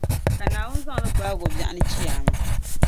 ka Naawuni zaŋ li gbaagi o biɛɣuni Chiyaama.